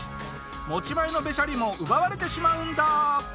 持ち前のべしゃりも奪われてしまうんだ！